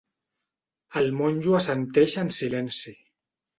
El monjo assenteix en silenci.